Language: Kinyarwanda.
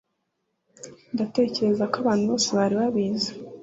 ndatekereza ko abantu bose bari babizi